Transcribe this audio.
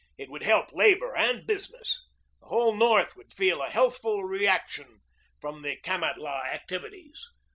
It would help labor and business. The whole North would feel a healthful reaction from the Kamatlah activities.